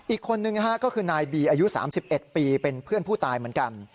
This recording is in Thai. อีกคนนึงก็คือนายบีอายุ๓๑ปีเป็นเพื่อนผู้ตายเหมือนกัน